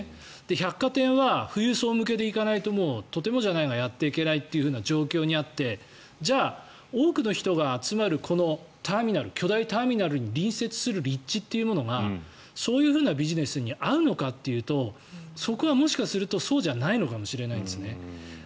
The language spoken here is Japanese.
百貨店は富裕層向けでいかないととてもじゃないとやっていけない状況にあって多くの人が集まるこの巨大ターミナルに隣接する立地というものがそういうビジネスにあるのかというとそこはもしかするとそうじゃないのかもしれないんですね。